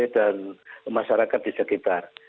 dan masyarakat di sekitar